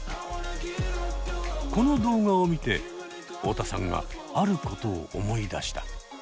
この動画を見て太田さんがあることを思い出した。